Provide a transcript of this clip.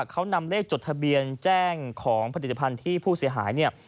เขานำเลขจดทะเบียนแจ้งของผลิตภัณฑ์ที่ผู้เสียหายเนี่ย